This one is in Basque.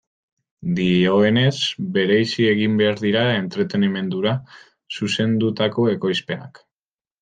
Dioenez, bereizi egin behar dira entretenimendura zuzendutako ekoizpenak.